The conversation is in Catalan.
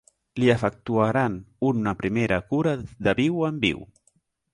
Li efectuaren una primera cura de viu en viu.